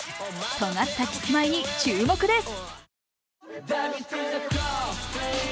とがったキスマイに注目です。